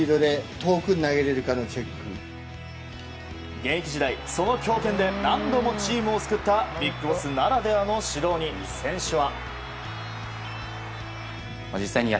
現役時代、その強肩で何度もチームを救ったビッグボスならではの指導に選手は。